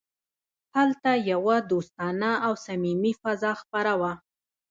هلته یوه دوستانه او صمیمي فضا خپره وه